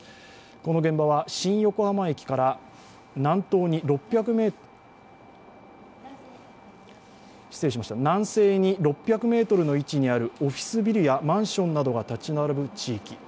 この現場は新横浜駅から南西に６００ｍの位置にあるオフィスビルやマンションなどが立ち並ぶ地域。